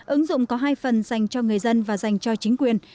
ứng dụng có hai phần dành cho người dân và dành cho chính quyền